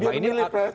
ini kan milik rakyat